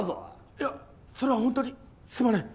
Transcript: いやそれは本当にすまない。